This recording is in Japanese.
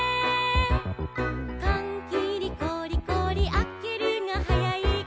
「かんきりゴリゴリあけるがはやいか」